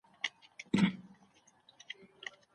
لښتې په نغري کې د اور په رڼا کې خپل انځور ولید.